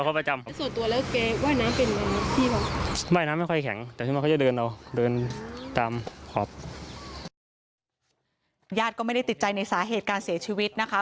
ญาติก็ไม่ได้ติดใจในสาเหตุการเสียชีวิตนะคะ